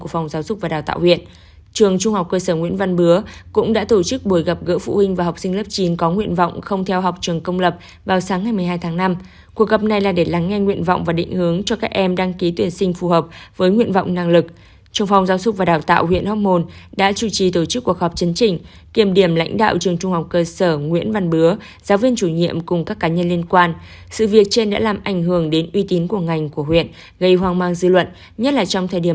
phòng giáo dục và đào tạo huyện hóc môn đã chủ trì tổ chức cuộc họp chấn trình kiểm điểm lãnh đạo trường trung học cơ sở nguyễn văn bứa giáo viên chủ nhiệm giáo viên chủ nhiệm và giáo viên chủ nhiệm